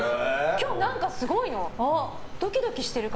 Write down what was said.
今日、何かすごいの。